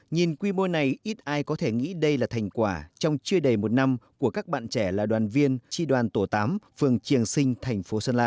nhìn quy mô này ít ai có thể nghĩ đây là thành quả trong chưa đầy một năm của các bạn trẻ là đoàn viên tri đoàn tổ tám phường triềng sinh thành phố sơn la